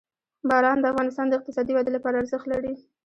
باران د افغانستان د اقتصادي ودې لپاره ارزښت لري.